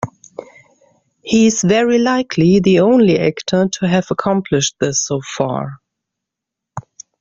He is very likely the only actor to have accomplished this, so far.